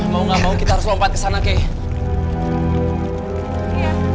mau gak mau kita harus lompat kesana kei